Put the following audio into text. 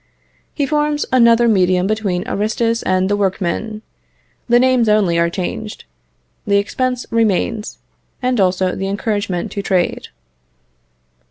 He forms another medium between Aristus and the workmen. The names only are changed, the expense remains, and also the encouragement to trade.